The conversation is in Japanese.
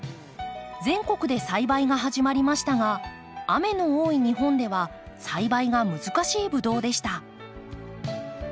全国で栽培が始まりましたが雨の多い日本では栽培が難しいブドウでした。